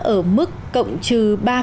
ở mức cộng trừ ba